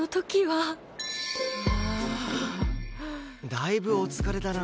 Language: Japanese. だいぶお疲れだな。